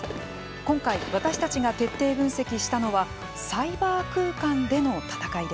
今回私たちが徹底分析したのはサイバー空間での戦いです。